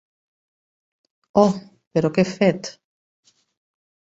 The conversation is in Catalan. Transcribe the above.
Oh, però què he fet?